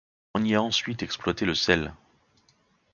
On y a ensuite exploité le sel.